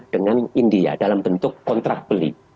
dengan india dalam bentuk kontrak beli